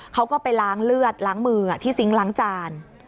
เขาก็ไปล้างเลือดล้างมือที่ซิงค์ล้างจาน